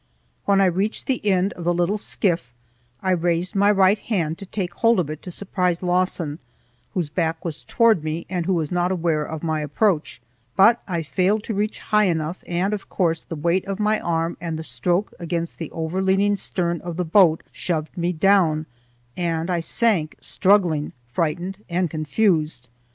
When I reached the end of the little skiff I raised my right hand to take hold of it to surprise Lawson, whose back was toward me and who was not aware of my approach; but I failed to reach high enough, and, of course, the weight of my arm and the stroke against the overleaning stern of the boat shoved me down and I sank, struggling, frightened and confused.